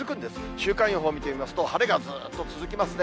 週間予報見てみますと、晴れがずーっと続きますね。